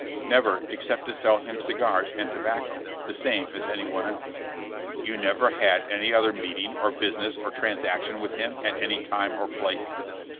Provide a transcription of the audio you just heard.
''Never, except to sell him cigars and tobaeco, the same as any one eLse." You never had any other meeting or business or transaction with him at any time or place?"